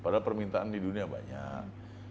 padahal permintaan di dunia banyak